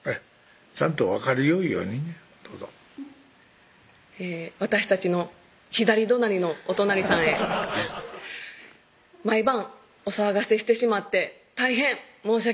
ちゃんと分かりよいようにねどうぞ私たちの左隣のお隣さんへ毎晩お騒がせしてしまって大変申し訳ございません